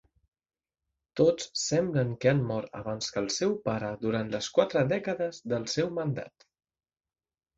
Tots semblen que han mort abans que el seu pare durant les quatre dècades del seu mandat.